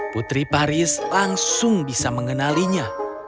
putri paris langsung bisa mengenalinya